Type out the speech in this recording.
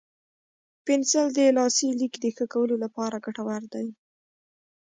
پنسل د لاسي لیک د ښه کولو لپاره ګټور دی.